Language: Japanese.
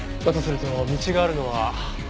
だとすると道があるのは。